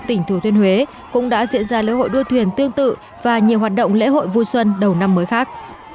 tỉnh thừa thiên huế cũng đã diễn ra lễ hội đua thuyền tương tự và nhiều hoạt động lễ hội vui xuân đầu năm mới khác